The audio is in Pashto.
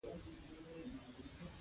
زردالو طبیعي خواږه لري.